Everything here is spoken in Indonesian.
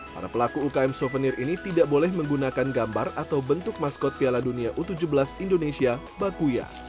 para pelaku ukm souvenir ini tidak boleh menggunakan gambar atau bentuk maskot piala dunia u tujuh belas indonesia bakuya